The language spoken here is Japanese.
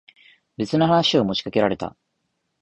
別の話を持ちかけられた。